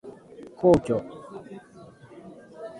皇居